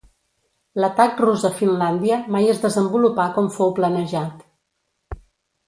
L'atac rus a Finlàndia mai es desenvolupà com fou planejat.